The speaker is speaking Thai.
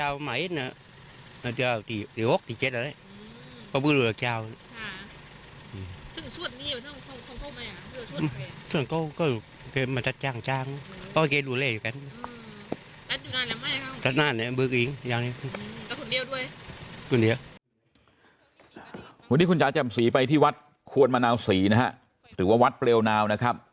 วันนี้คุณจ๋าจำศรีไปที่วัดควรมะนาวศรีนะฮะหรือว่าวัดเปลวนาวนะครับ